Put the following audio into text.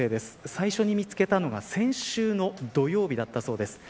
最初に見つけたのが先週の土曜日だったそうです。